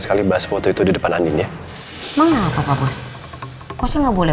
yang mendapat foto itu dari mana oh foto ini di lantai mau balikin kandin jangan pernah sekali